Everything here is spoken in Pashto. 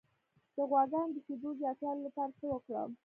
د غواګانو د شیدو زیاتولو لپاره څه وکړم؟